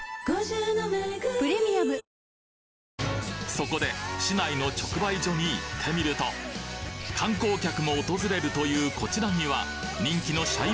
そこで市内の直売所に行ってみると観光客も訪れるというこちらには人気のシャインマスカットを中心に